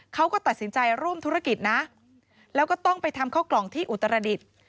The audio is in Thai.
เขาก็ตัดสินใจร่วมธุรกิจนะแล้วก็ต้องไปทำข้าวกล่องที่อุตรดิษฐ์